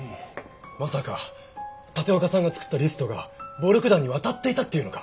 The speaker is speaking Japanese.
まさか立岡さんが作ったリストが暴力団に渡っていたっていうのか？